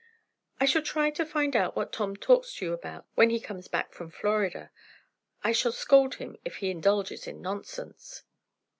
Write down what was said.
"I shall try to find out what Tom talks to you about, when he comes back from Florida. I shall scold him if he indulges in nonsense."